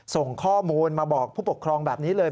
ส่งข้อมูลมาบอกผู้ปกครองแบบนี้เลย